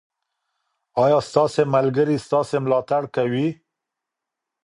ایا ستاسې ملګري ستاسې ملاتړ کوي؟